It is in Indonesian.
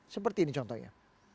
seperti ini contohnya